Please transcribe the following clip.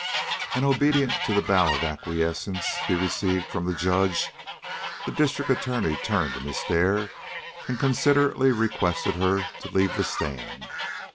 And obedient to the bow of acquiescence he received from the Judge, the District Attorney turned to Miss Dare and considerately requested her to leave the stand.